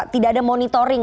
tidak ada monitoring